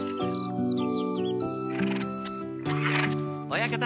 親方！